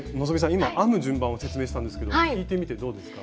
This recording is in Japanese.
今編む順番を説明したんですけど聞いてみてどうですか？